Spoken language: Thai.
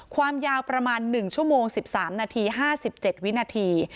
ความยาวประมาณ๑ชั่วโมง๑๓นาที๕๗วินาที